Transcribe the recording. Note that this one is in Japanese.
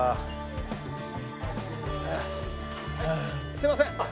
すいません。